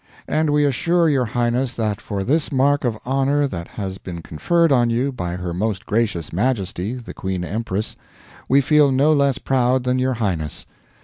And we assure your Highness that for this mark of honour that has been conferred on you by Her Most Gracious Majesty, the Queen Empress, we feel no less proud than your Highness.